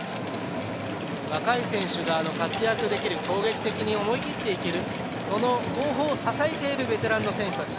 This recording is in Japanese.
若い選手が活躍できる、攻撃的に思いっきりいける後方を支えているベテランの選手たち。